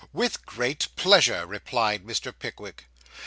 'With great pleasure,' replied Mr. Pickwick.